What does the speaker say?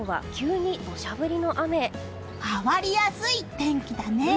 変わりやすい天気だね！